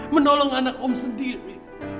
menolong anak om sendiri